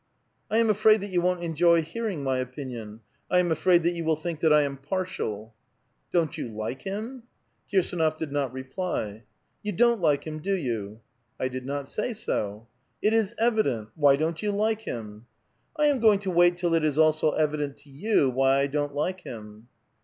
'' I am afraid that you won't enjoy hearing my opinion ; I am afraid that you will think that I am partial." ''Don't you like him?" Kirsdnof did not reply. *' You don't like him, do 30U?" " I did not say so." " It is evident. Why don't you like him? " "I am going to wait till it is also evident to you why I don't like him."